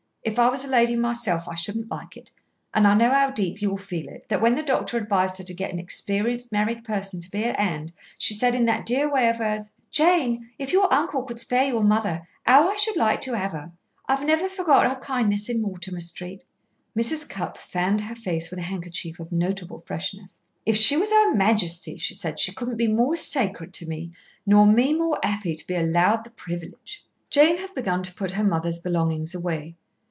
If I was a lady myself, I shouldn't like it. And I know how deep you'll feel it, that when the doctor advised her to get an experienced married person to be at hand, she said in that dear way of hers, 'Jane, if your uncle could spare your mother, how I should like to have her. I've never forgot her kindness in Mortimer Street.'" Mrs. Cupp fanned her face with a handkerchief of notable freshness. "If she was Her Majesty," she said, "she couldn't be more sacred to me, nor me more happy to be allowed the privilege." Jane had begun to put her mother's belongings away.